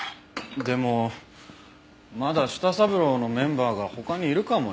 でもまだ舌三郎のメンバーが他にいるかもよ？